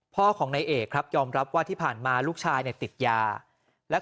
พ่อของนายเอกครับยอมรับว่าที่ผ่านมาลูกชายเนี่ยติดยาและ